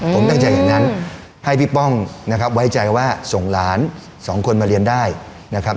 ผมตั้งใจอย่างนั้นให้พี่ป้องนะครับไว้ใจว่าส่งหลานสองคนมาเรียนได้นะครับ